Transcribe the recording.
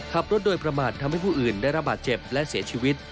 ขับรถโดยประมาททำให้ผู้อื่นได้รับบาดเจ็บและเสียชีวิต